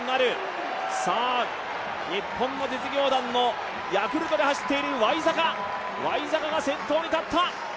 日本の実業団のヤクルトで走っているワイザカが先頭に立った。